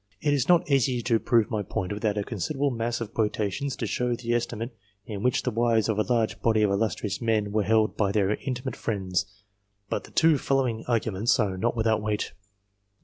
\ It is not easy to prove my point without a considerable ' mass of quotations to show the estimation in which the wives of a large body of illustrious men were held by their intimate friends, but the two following arguments are not without weight.